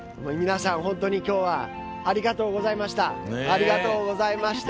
皆さん、本当にきょうはありがとうございました。